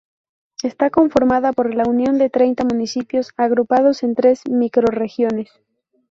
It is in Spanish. Está conformada por la unión de treinta municipios agrupados en tres microrregiones.